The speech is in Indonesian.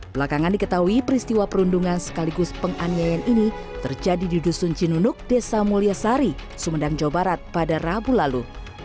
belakangan diketahui peristiwa perundungan sekaligus penganiayaan ini terjadi di dusun cinunuk desa mulyasari sumedang jawa barat pada rabu lalu